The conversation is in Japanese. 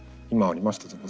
今ありました